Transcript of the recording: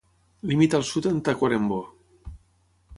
Limita al sud amb Tacuarembó.